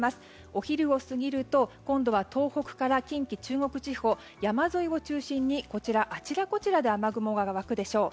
お昼を過ぎると今度は東北から近畿、中国地方山沿いを中心にあちらこちらで雨雲が湧くでしょう。